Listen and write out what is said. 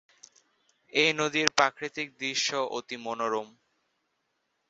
এই নদীর প্রাকৃতিক দৃশ্য অতি মনোরম।